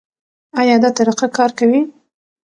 ایا دا طریقه کار کوي؟